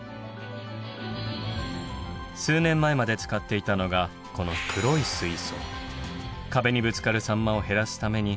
数年前まで使っていたのがこの黒い水槽。